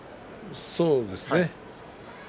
そうですね。